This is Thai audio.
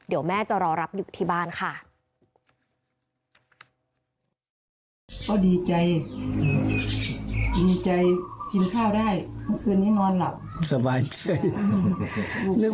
โอ้ยไม่มีเงินเหรอน้อง